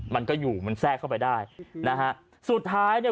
มันก็อยู่มันแทรกเข้าไปได้นะฮะสุดท้ายเนี่ย